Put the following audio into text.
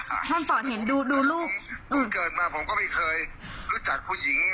ท่านสอนเห็นดูดูลูกลูกเกิดมาผมก็ไม่เคยรู้จักผู้หญิง